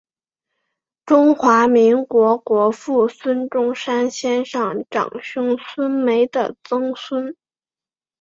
中华民国国父孙中山先生长兄孙眉的曾孙。